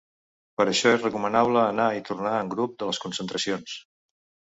Per això és recomanable anar i tornar en grup de les concentracions.